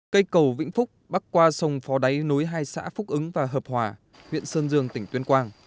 cây cầu vĩnh phúc bắc qua sông phó đáy nối hai xã phúc ứng và hợp hòa huyện sơn dương tỉnh tuyên quang